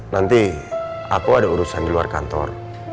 nanti aku ada urusan di luar kantor